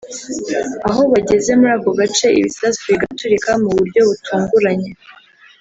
aho bageze muri ako gace ibisasu bigaturika mu buryo butunguranye